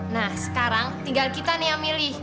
nah sekarang tinggal kita nih yang milih